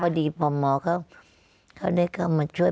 พอดีพมเขาได้เข้ามาช่วย